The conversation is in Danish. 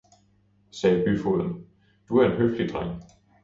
sagde byfogeden, du er en høflig dreng!